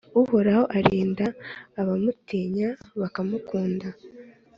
Uhoraho arinda abamutinya bakamukunda